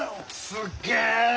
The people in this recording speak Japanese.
すっげえ！